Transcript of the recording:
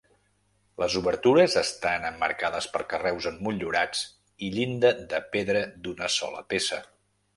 Les obertures estan emmarcades per carreus emmotllurats i llinda de pedra d'una sola peça.